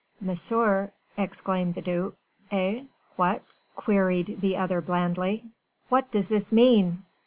"Monsieur...." exclaimed the duc. "Eh? what?" queried the other blandly. "What does this mean?"